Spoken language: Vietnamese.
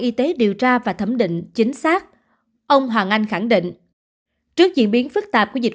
y tế điều tra và thẩm định chính xác ông hoàng anh khẳng định trước diễn biến phức tạp của dịch